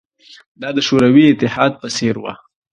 دا د شوروي اتحاد په څېر وه